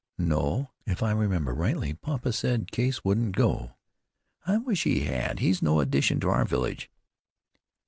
"No, if I remember rightly papa said Case wouldn't go." "I wish he had. He's no addition to our village."